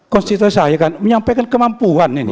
konstituen saya kan menyampaikan kemampuan ini